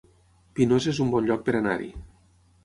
Pinós es un bon lloc per anar-hi